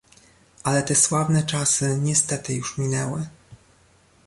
"Ale te sławne czasy niestety już minęły."